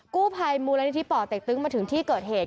กู้ภัยมูลนิธิป่อเต็กตึ้งมาถึงที่เกิดเหตุ